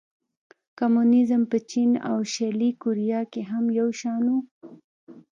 کمونېزم په چین او شلي کوریا کې هم یو شان و.